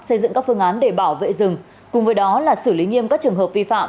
xây dựng các phương án để bảo vệ rừng cùng với đó là xử lý nghiêm các trường hợp vi phạm